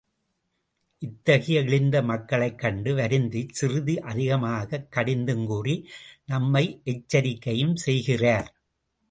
இத்தகைய இழிந்த மக்களைக்கண்டு வருந்திச் சிறிது அதிகமாகக் கடிந்துங் கூறி, நம்மை எச்சரிக்கையும் செய்கிறார்.